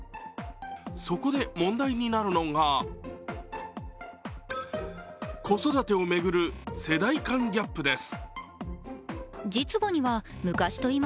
そこで問題になるのが子育てを巡る世代間ギャップです。